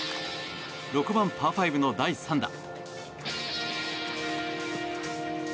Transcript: ６番、パー５の第３打。